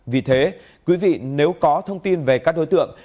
vì thế quý vị nếu có thông tin về các đối tượng